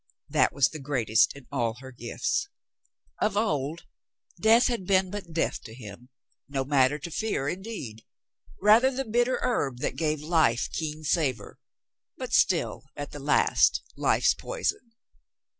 That was the great est in all her gifts. Of old death had been but death to him ; no matter to fear, indeed ; rather the bitter herb that gave life keen savor ; but still at the last life's poison.